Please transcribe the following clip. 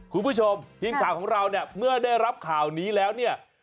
คุณผู้ชมทีมข่าวของเราเนี่ยเมื่อได้รับข่าวนี้แล้วเนี่ย